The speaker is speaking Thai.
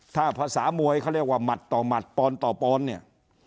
ถ้าภาษามวยเขาเรียกว่าหมัดต่อหมัดปอนต่อปอนเนี่ย